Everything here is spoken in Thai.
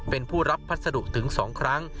เป็นผู้รับพัสดุถึง๒ครั้ง